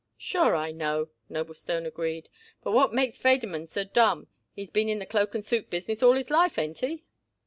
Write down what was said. "Sure, I know," Noblestone agreed. "But what makes Federmann so dumb? He's been in the cloak and suit business all his life, ain't he?"